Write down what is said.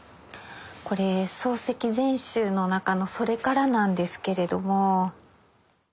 これ「漱石全集」の中の「それから」なんですけれども。